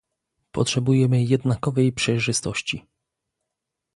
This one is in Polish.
Potrzebujemy jednakowej przejrzystości